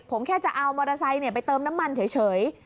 ผมแค่จะเอามอเตอร์ไซค์ไปเติมน้ำมันเฉย